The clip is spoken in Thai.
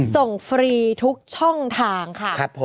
ฟรีทุกช่องทางค่ะ